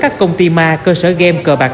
các công ty ma cơ sở game cờ bạc